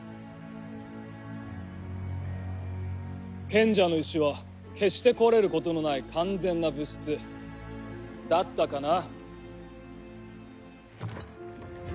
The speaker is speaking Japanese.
賢者の石は決して壊れることのない完全な物質だったかな？